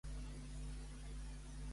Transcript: Què va manar fer Croptop?